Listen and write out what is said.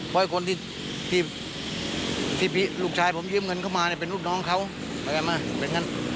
เพราะคนที่ลูกชายผมยืมเงินเข้ามาเนี่ยเป็นลูกน้องเขาอะไรกันมาเป็นงั้น